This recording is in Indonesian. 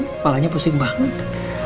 kepalanya pusing banget